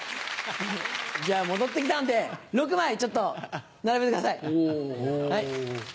じゃあ戻って来たんで６枚ちょっと並べてください。